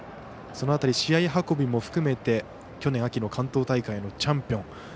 その辺り試合運びも含めて去年秋の関東大会のチャンピオン。